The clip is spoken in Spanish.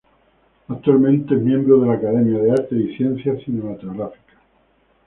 Actualmente es miembro de la Academia de Artes y Ciencias Cinematográficas.